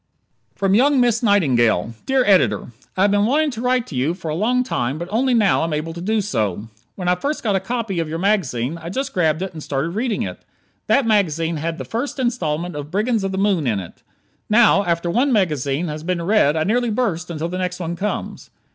From Young Miss Nightingale Dear Editor: I have been wanting to write to you for a long time but only now am I able to do so. When I first got a copy of your magazine I just grabbed it and started reading it. That magazine had the first installment of "Brigands of the Moon" in it. Now, after one magazine has been read I nearly burst until the next one comes.